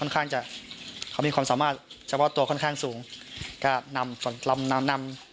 เขามีความสามารถเฉพาะตัวค่อนข้างสูงก็นำนำนำนำ